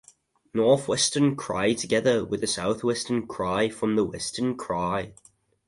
Northwestern Krai together with the Southwestern Krai formed the Western Krai.